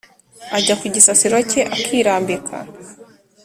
ajya kugisasiro cye akirambika